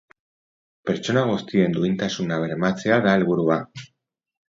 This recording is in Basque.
Pertsona guztien duintasuna bermatzea da helburua.